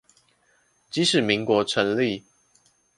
即使民國成立